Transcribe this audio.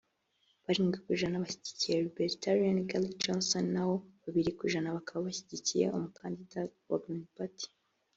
Barindwi ku ijana bashyigikiye Libertarian Gary Johnson naho babiri ku ijana bakaba bashyigikiye umukandida wa Green Party